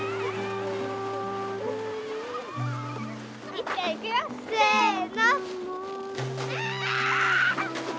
いっちゃんいくよ！せの！